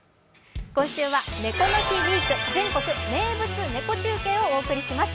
今週は「“猫の日”ウィーク全国名物ネコ中継」をお送りします。